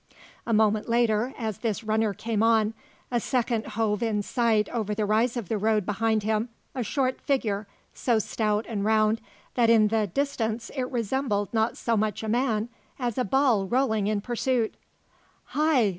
A moment later, as this runner came on, a second hove in sight over the rise of the road behind him a short figure, so stout and round that in the distance it resembled not so much a man as a ball rolling in pursuit. "Hi!